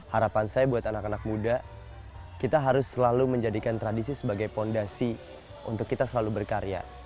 harapan saya buat anak anak muda kita harus selalu menjadikan tradisi sebagai fondasi untuk kita selalu berkarya